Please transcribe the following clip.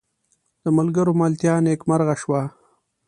د ملګرو ملتیا نیکمرغه شوه.